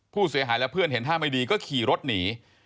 ผู้เสียหายและเพื่อนเห็นท่าไม่ดีก็ขี่รถหนี